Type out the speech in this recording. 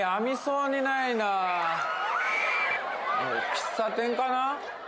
喫茶店かな？